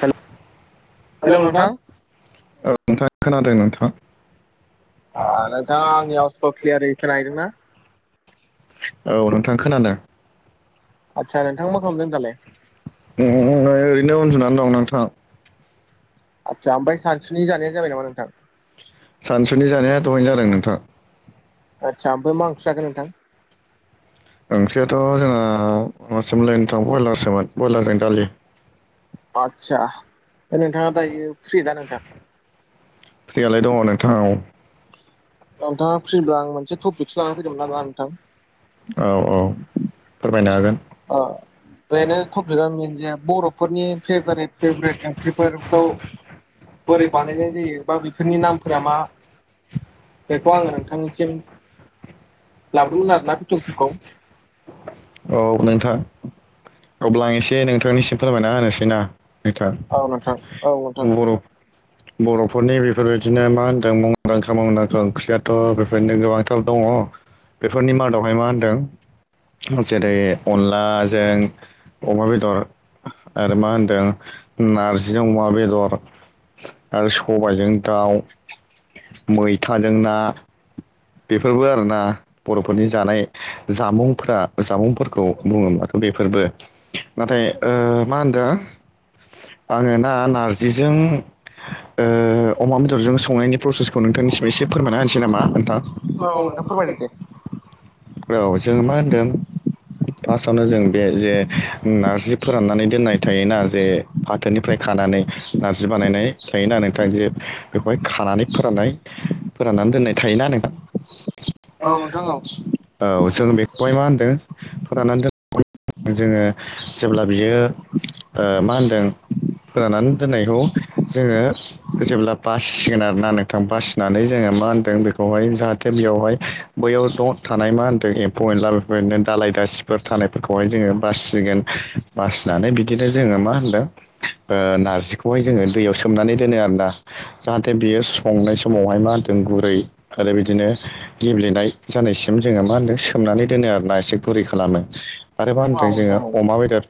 हेल hello नोंथां औ नोंथां खोनादों नोंथां नोंथाङा आंनि आउसखौ क्लियारै खोनाहैदों ना? औ नोंथां खोनादों। आदसा नोंथां मा खालामदों दालाय? उम ओरैनो उन्दुना दं नोंथां आदसा ओमफ्राय सानसुनि जानाया जाबाय नामा नोंथां? सानसुनि जानाया दहायनो जादों नोंथां आदसा ओमफाय मा ओंख्रि जाखो नोंथां? ओंख्रियाथ' जोंना मासोमोनलै नोथां ब्रयलारसोमोन ब्रयलारजों दालि आदसा ओमफाय नोंथाङा दायो फ्रि दा नोंथां? फ्रियालाय दङ नोंथां औ नोंथाङा फ्रिब्ला आं मोनसे टपिकसो लानानै फैदोंमोन आरोना नोंथां औ औ फोरमायनो हागोन ओ बेनो टपिकआ मेनजिया बर'फोरनि फेभरेट फेभारेट ओंख्रिफोरखौ बोरै बानायनाय जायो बा बेफोरनि नामफोरा मा बेखौ आङो नोंथांनिसिम लाबोदोंमोन आरोना। [unintelligible] औ टपिकखौ नोंथां अब्ला आं एसे नोंथांनिसिम फोरमायना होनोसै ना। नोंथां औ नोंथां औ नोंथां बर' [inaudible] बर'फोरनि बेफोरबायदिनो मा होनदों मुंदांखा मुंदांखा ओंख्रियाथ' बेफोरनो गोबांथार दङ बेफोरनि मादावहाय मा होनदों जेरै अनलाजों अमा बेदर आरो मा होनदों नारजिजों अमा बेदर आरो सबायजों दाउ, मैथाजों ना बेफोरबो आरोना बर'फोरनि जानाय जामुंफोरा जामुंफोरखौ बुङोमोन बेफोरबो नाथाय ओ मा होनदों आङो ना नारजिजों ओ अमा बेदरजों संनायनि प्रसेसखौ नोंथांनिसिम एसे फोरमायना होनोसै नामा नोंथां। औ नोंथां फोरमायदो दे औ जों मा होनदों फार्स्टआवनो जों बे जे नारजि फोराननानै दोननाय थायोना जे फाथोनिफ्राय खानानै नारजि बानायनाय थायोना नोंथां बे बेखौहाय खानानै फोराननाय फोराननानै दोननाय थायोना नोंथां औ नोंथां औ औ जों बेखौहाय मा होन्दों फोराननानै दोन जोङो जेब्ला बियो मा ओ माहोनदों फोरानानै दोननायखौ जोङो जेब्ला बासिसिगोन आरोना नोंथां बासिनानै जोङो मा होनदों बेखौहाय जाहा थे बेयावहाय बैयाव द' थानाय मा होनदों एम्फौ एनला बेफोरबायदिनो दालाय दास फोर थानायफोरखौहाय जोङो बासिगोन बासिनानै बिदिनो जोङो मा होनदों ओ नारजिखौहाय जोङो दैयाव सोमनानै दोनो आरोना। जाहाथे बियो संनाय समावहाय मा होनदों गुरै आरो बिदिनो गेब्लेनाय जानायसिम जोङो मा होनदों सोमनानै दोनो आरोना एसे गुरै खालामो। आरो मा औ होनदों जोङो नोंथां औ अमा बेदर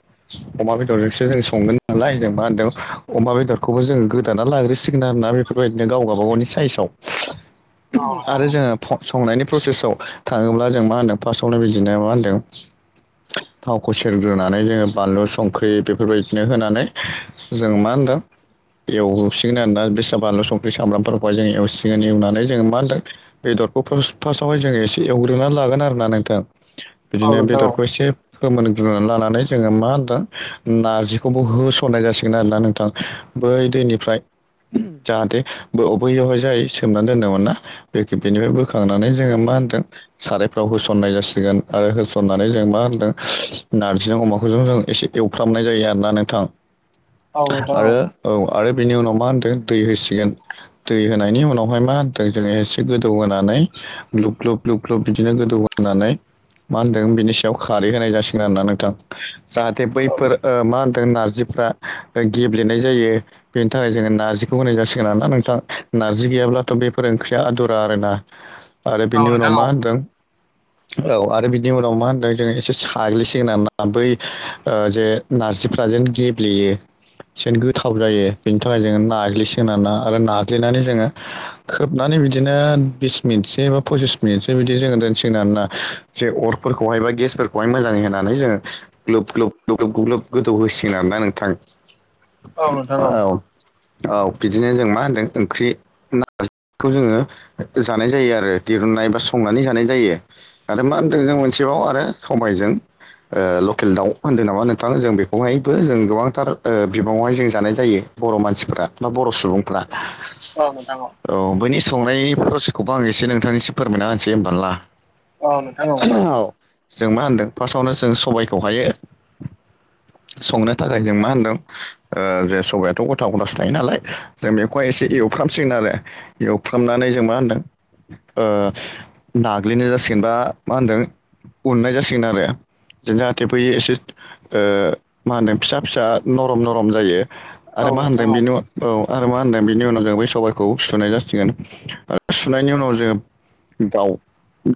अमा बेदरजोंसो जों संगोन नालाय जों मा होनदों अमा बेदरखौबो जोङो गोदाना लाग्रोसिगोन आरोना बे फोरबादिनो गाव गावबा गावनि साइसाव। [inaudible] आरो औ जोङो [unintelligible] संनायनि प्रसेसाव थाङोब्ला जों मा होनदों फार्स्टआवनो बिदिनाया मा होनदों थावखौ सेरग्रोनानै जोङो बानलु संख्रि बेफोरबायदिनो होनानै जोङो मा होनदों एवसिगोन आरोना बे बानलु संख्रि सामब्रामफोरखौहाय जों एवसिगोन एवनानै जोङो मा होनदों बेदरखौ फार्स्ट फासावहाय जोङो एसे एवग्रोनानै लागोन आरो ना नोंथां औ बिदिनो नोंथां औ बेदरखौ एसे फोमोनग्रोना लानानै जोङो मा होनदों नारजिखौबो होसननाय जासिगोन आरोना नोंथां। बै दैनिफ्राय जाहाथे ब बैयावहाय जाय सोमनानै दोनदोंमोन ना बे बेनिफ्राय बोखांनानै जोङो मा होनदों सारायफ्राव होसननाय जासिगोन आरो होसननानै जों मा होनदों नारजिजों अमाखौजों जों एसे एवफ्रामनाय जायो आरोना नोंथां औ नोंथां आरो औ आरो बेनि उनाव मा होनदों दै होसिगोन दै होनायनि उनावहाय मा होनदों जोङो गोदौ होनानै ग्लुब- ग्लुब -ग्लुब -ग्लुब बिदिनो गोदौ होनानै मा होन्दों बिनि सायाव खारै होनाय जासिगोन आराना नोंथां। जाहाथे बैफोर ओ मा होनदों नारजिफ्रा गेब्लेनाय जायो। बेनि थाखाय जोङो नारजिखौ होनाय जासिगोन आरोना नोंथां नारजि गैयाब्लाथ' बेफोर ओंख्रिया आदुर आरोना आरो औ बिनि नोंथां उनाव औ मा होनदों [inaudible] औ आरो बिनि उनाव मा होनदों जोङो एसे साग्लिसिगोन आरोना बै ओ जे नारजिफ्राजों गेब्लेयो एनो गोथाव जायो बेनि थाखाय जोङो नाग्लिसोन आरा आरो नाग्लिनानै जोङो खोबनानै बिदिनो बिदिनो बिस मिनिटस बा पसिस मिनिटसो बिदि जोङो दोनसिगना आरोना जे अरफोरखौहाय बा गेसफोरखौ हाय मोजाङै होननानै जोङो गोब ग्लोब ग्लोब गोदौ होसिगोन आरो ना नोंथां औ नोंथां औ औ बिदिनो जों मा होनदों ओंख्रि नार्जिखौ जोङो जानाय जायो आरो दिरहुननाय बा संनानै जानाय जायो आरो मा होनदों जों मोनसेबाव आरो समबायजों लकेल दाउ होनदों नामा नोंथां जों बेखौहायबो जों गोबांथार बिबाङावहाय जों जानाय जायो बर' मानसिफ्रा बा बर' सुबुंफ्रा औ नोंथां औ औ बैनि संनाय प्रसिखौबो आं एसे नोंथांनिसो फोरमायना होनोसै होमबा ला औ नोंथां औ जों मा होनदों फार्स्टआवनो जों सबायखौ हायो संनो थाखाय जों मा होनदों जे सबबायाथ' गथा गथासो थायो नालाय जों बेखौहाय एसे एवफ्रामसिगोन आरो फुफ्रामनानै जों मा होनदों नाग्लिनाय जासिगोनबा मा होनदों उननाय जासिगोन आरो जों जाहाथे फैयो एसे मा होनो फिसा फिसा नरम नरम जायो औ आरो मा नोंथां होनदों औ बेनि उ औ आरो मा होनदों बेनि उनाव जों ब सबाइखौ सुसुनाय जासिगोन सुनायनि उनाव जों दाउ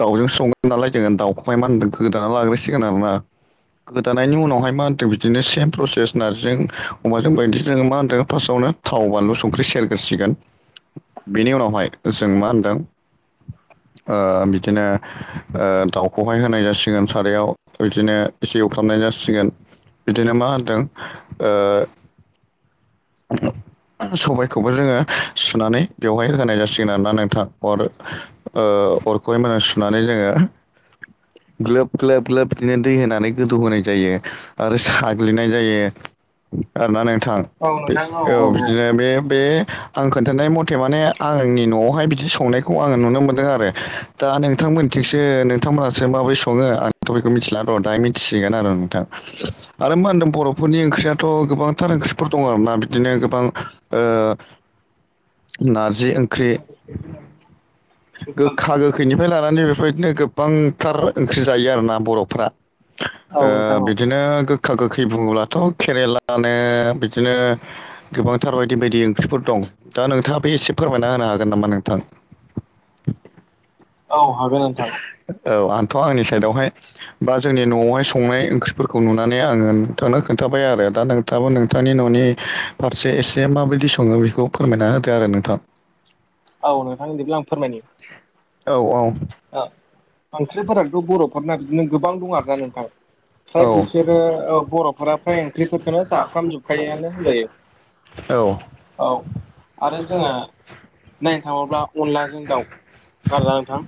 दाउजों संगोन नालाय जोङो दाउखौहाय मा होनदों गोदाना लाग्रोसिगोन आरोना गोदानायनि उनावहाय मा होन्दों बिदिनो सेम प्रसेस नारजि अमाजों बायदिजों मा होन्दों फार्स्टआवनो थाव बानलु संख्रि सेरगासिगोन बेनि उनावहाय जों मा होनदों [inaudible] बिदिनो दाउखौहाय होनाय जासिगोन सारायाव बिदिनो एसेव खालामनाय जासिगोन बिदिनो मा होनदों [inaudible] सबायखौबो जोङो सुनानै बेवहाय होनाय जासिगोन आरोना नोंथां अर अरखौहाय मा सुनानै जोङो ग्लोब ग्लोब ग्लोब बिदिनो दै होनानै गोदौहोनाय जायो आरो साग्लिनाय जायो आरोना नोंथां औ बिदिनो बे बे आं खोन्थानाय मथे माने आंनि न'आवहाय बिदि संनायखौ आङो नुनो मोन्दों आरो। दा नोंथांमोनथिंसो नोंथांमोनहासो माबोरै सङो आंथ' बेखौ मिथिला र' दा मिथिसिगोन आरो नोंथां। आरो मा होनदों बर'फोरनि ओंख्रियाथ' गोबांथार ओंख्रि फोर दङ आरोना बिदिनो गोबां ओ नारजि ओंख्रि, गोखा गोखैनिफ्राय लानानै बे बेबायदिनो गोबांथार ओंख्रि जायो आरोना बर'फ्रा। औ ओ नोंथां औ बिदिनो गो गखा गोखै बुङोब्लाथ' केरेेलानो बिदिनो गोबांथार बायदि बायदि ओंख्रिफोर दं। दा नोंथाङा बे एसे फोरमायना होनो हागोन नामा नोंथां? औ हागोन नोंथां औ आंथ' आंनि साइदावहाय बा जोंनि न'आवहाय संनाय ओंख्रिफोरखौ नुनानै आङो नोंथांनो खोन्थाबाय आरो दा नोंथाबो नों नोंथनि न'नि फारसे एसे माबायदि सङो बेखौ फोरमायना होदो आरो नोंथा। औ नोंथां बिदिब्ला आं फोरमायनि औ औ। ओंख्रिफोराथ' बर'फोरना बिदिनो गोबां दं आरोना नोंथां। औ फ्राय बिसोरो बर'फोरा फ्राय ओंख्रिफोरखोनो जाफ्रामजोबखायोयानो होनजायो। औ आरो जोंहा नायनो थाङोब्ला अनलाजों दाउ आरोना नोंथां।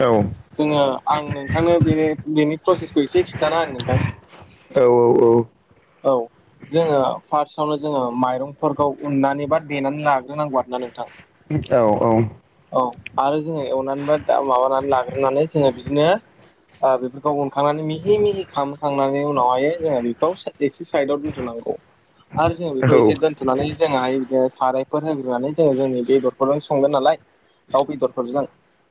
औ। जोङो आं नोंथांनो बे बेनि प्रसेसखौ एसे खिथाना होनो नोंथां। औ औ औ। औ जोङो फार्स्टआवनो जोङो माइरंफोरखौ उननानै बा देनानै लाग्रोनांगौ आरोना नोंथां। औ औ औ आरो जोङो एवनानै बा दा माबानानै लाग्रोनानै जोङो बिदिनो बेफोरखौ उनखांनानै मिहि मिहि खालामखांनानै उनावहाय जोङो बेखौ एसे साइदआव दोनथ'नांगौ। आरो जों बेखौ एसे दोन्थ'नानै जोंहाय बिदिनो साराय फोर होग्रोनानै जोङो जोंनि बेदरफोरजों संगोन नालाय दाउ बेदरफोरजों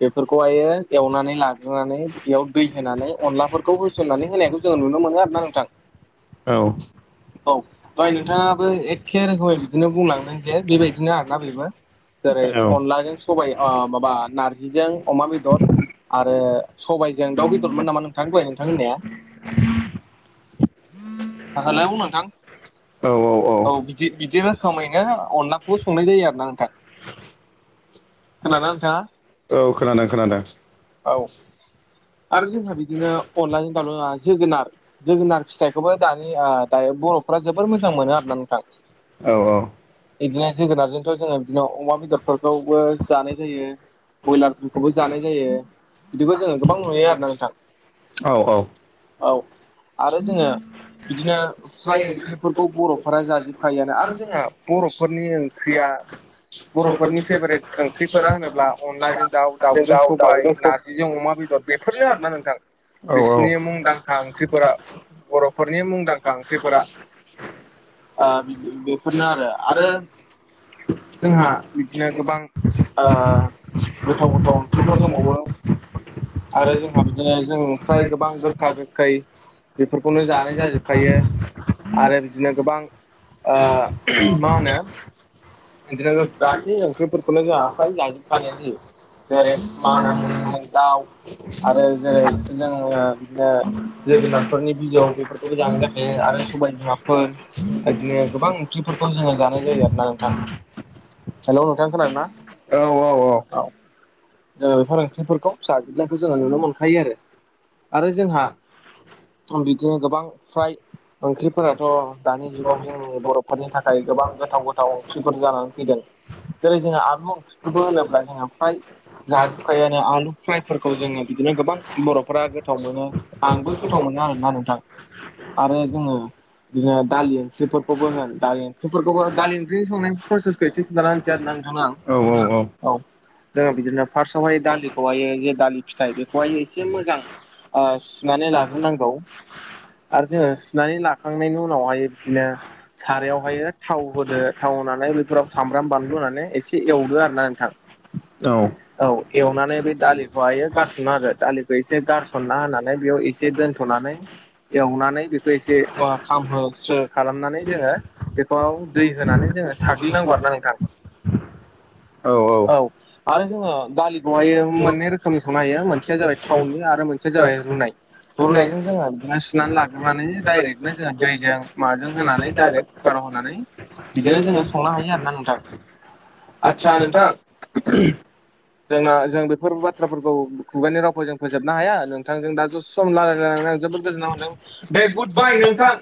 बेफोरखौहायो एवनानै लाग्रोनानै बेयाव दै होनानै अनलाफोरखौ होसननानै होनायखौ जोंङो नुनो मोनो आरोना नोंथां। औ। औ दहाय नोंथाङाबो औ एखे रोखोमै बिदिनो राइङआबो बुंलांदों जे बेबायदिनो आरोना ए बेबो जेरै लांनाय अनलाजों सबाय ओ माबा गैया नारजिजों अमा बेदर औ। आरो सबाइजों दाउ बेदरमोन नामा नोंथां दाय नोंथां औ होननाया? हो हेलौ नोंथां? औ औ बिदि बिदि रोखोमैनो अनलाखौबो संनाय जायो आरोना नोंथां। [unintelligible] नोंथाङा औ खोनादों खोनादों। औ आरो जोंहा बिदिनो अनला जोगोनार जोगोनार फिथाइखौबो दानि आ दायो बर'फ्रा जोबोर मोजां मोनो आरोना नोंथां। औ औ। बिदिनो जोगोनारजोंथ' जोङो बिदिनो अमा बेदरफोरखौबो जानाय जायो। बयलारफोरखौबो जानाय जायो बिदिबो जोङो गोबां नुयो आरोना नोंथां। औ औ। औ आरो जोङो बिदिनो स्राय ओंख्रिफोरखौ बर'फोरा जाजोबखायोआनो आरो जोंहा बर' फोरनि ओंख्रिया बर'फोरनि फेभारेट ओंख्रिफोरा होनोब्ला अनलाजों दाउ दाउजों द सबाय द नारजिजों अमा बेदर बेफोरनो आरोना नोंथां औ औ बिसिनि मुंदांखा ओं ख्रिफोरा बर'फोरनि मुंदांखा ओंख्रिफोरा। बेफोरनो आरो। आरो जोंहा बिदिनो गोबां गोथाव गोथाव ओंख्रिफोर दंबावो आरो जोंहा बिदिनो जों फ्राय गोबां गोखा- गोखै बेफोरखौनो जानाय जाजोबखायो आरो बिदिनो गोबां मा होनो बिदिनो गासै ओंख्रिफोरखौनो जोंहा फ्राय जाजोबखानायानो जायो। जेरै, मानामुनि जों दाउ आरो जेरै जोङो बिदिनो जोगोनारफोरनि बिजौ बे मोजां जाखायो आरो सबाय बिमाफोर बिदिनो गोबां ओंख्रिफोरखौ जोङो जानाय जायो आरो ना नोंथां। हेलौ नोंथां खोनादों ना? औ औ औ जों बेफोर ओंखफोरखौ खौ जाजोबनायखौ जोङो नुनो मोनखायो आरो। आरो जोंहा बिदिनो गोबां फ्राय ओंख्रिफोराथ' दानि जुगाव जोंनि बर'फोरनि थाखाय गोबां गोथाव -गोथाव ओंख्रिफोर जानानै फैदों। जेरै जोङो आलु ओंख्रिखौबो होनोब्ला जोङो फ्राय जाजोबखायोआनो आलु फायफोरखौ जोङो बिदिनो गोबां बर'फोरा गोथाव मोनो आंबो गोथाव मोनो आरोना नोंथां। आरो जोङो बिदिनो दालि ओंख्रिफोरखौबो होन दालि बेफोरखौबो दालि ओंख्रि संनायनि प्रसेसखौ एसे खोनथाना होनोसै आरो ना नोंथांनो आं। औ जोङो बिदिनो फार्स्टआवहाय दालि बेखौहायो जे दालि फिथाइ बेखौहाय एसे मोजां सुनानै लाग्रोनांगौ। आर जोङो सुनानै लाखांनायनि उनावहाय बिदिनो सारायावहायो थाव होदो थाव होनानै बेफोराव सामब्राम, बानलु होनानै एसे एवदो आरोना नोंथां। औ। औ एवनानै बे दालिखौहायो गारस'ना होदो दालिखौ एसे गार सनना होनानै बेयाव एसे दोन्थ'नानै एवनानै बेखौ एसे ओ खामहोस्रो खालामनानै जोङो बेखौ दै होनानै जोङो साग्लिनांगौ आरोना नोंथां। औ आरो जोङो दालिखौ हायो मोननै रोखोमनि संनो हायो मोनसेया जाबाय थावनि आरो मोनसेया जाबाय रुनाय। रुनायजों जोंहा बिदिनो सुनानै लाग्रोनानै डायरेक्टनो जोङो दैजों माजों होनानै डायरेक्ट कुकाराव होनानै बिदिनो जोङो संनो हायो आरोना नोंथां। आथसा नोंथां। जोंना जोंबो बेफोर बाथ्राफोरखौ खु-खुगानि रावखौ जों फोजोबनो हाया नोंथांजों दसे सम रायलायनानै आं जोबोद गोजोन्नाय मोनदों। दे गुदबाय नोंथां।